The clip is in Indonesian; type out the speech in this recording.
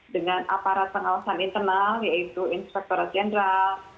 dengan aparat pengawasan internal yaitu inspektorat jenderal